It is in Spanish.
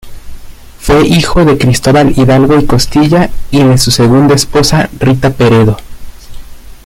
Fue hijo de Cristóbal Hidalgo y Costilla y de su segunda esposa, Rita Peredo.